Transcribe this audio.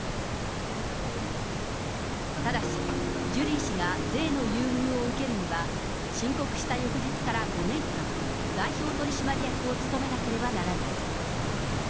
ただし、ジュリー氏が税の優遇を受けるには、申告した翌日から５年間、代表取締役を務めなければならない。